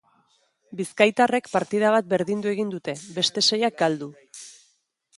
Bizkaitarrek partida bat berdindu egin dute, beste seiak galdu.